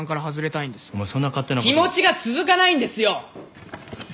気持ちが続かないんですよ！